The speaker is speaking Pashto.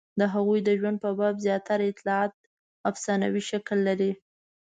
د هغوی د ژوند په باب زیاتره اطلاعات افسانوي شکل لري.